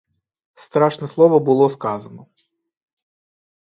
Страшне слово було сказане.